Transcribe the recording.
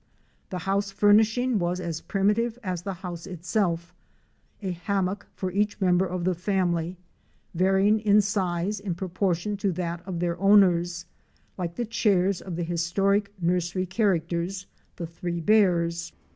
The house furnishing was as primitive as the house itself — a hammock for each member of the family; varying in size in proportion to that of their owners, like the chairs of the historic nursery characters — the "Three Bears."